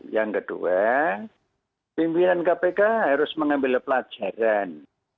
yang kedua pimpinan kpk harus mengambil pelajaran